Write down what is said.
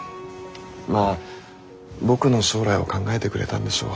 まあ僕の将来を考えてくれたんでしょう。